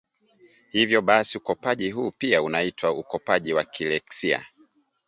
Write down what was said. hivyo basi ukopaji huu pia unaitwa ukopaji wa kileksia